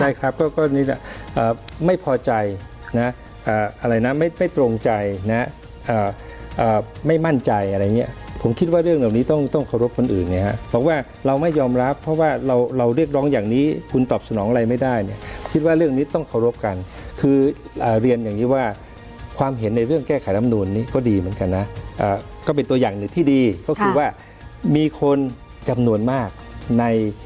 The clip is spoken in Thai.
ใช่ครับก็ไม่พอใจนะอะไรนะไม่ตรงใจนะไม่มั่นใจอะไรอย่างเงี้ยผมคิดว่าเรื่องเหล่านี้ต้องต้องเคารพคนอื่นไงฮะเพราะว่าเราไม่ยอมรับเพราะว่าเราเราเรียกร้องอย่างนี้คุณตอบสนองอะไรไม่ได้เนี่ยคิดว่าเรื่องนี้ต้องเคารพกันคือเรียนอย่างนี้ว่าความเห็นในเรื่องแก้ไขรำนูนนี้ก็ดีเหมือนกันนะก็เป็นตัวอย่างหนึ่งที่ดีก็คือว่ามีคนจำนวนมากใน